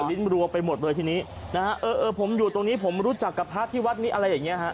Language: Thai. มันรัวไปหมดเลยที่นี้ผมอยู่ตรงนี้ผมรู้จักกับภาพที่วัดนี้อะไรอย่างนี้